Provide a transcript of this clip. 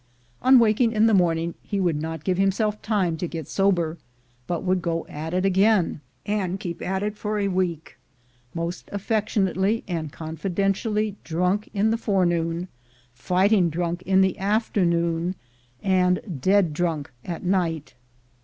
On waking in the morning he would not give himself time to get sober, but would go at it again, and keep at it for a week — most affectionately and confidentially drunk in the fore noon, fighting drunk in the afternoon, and dead drunk at night.